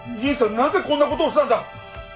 なぜこんなことをしたんだ